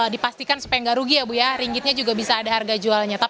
dipastikan supaya nggak rugi ya bu ya ringgitnya juga bisa ada harga jualnya